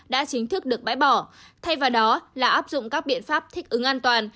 đã chính thức được bãi bỏ thay vào đó là áp dụng các biện pháp thích ứng an toàn